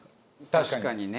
確かにね。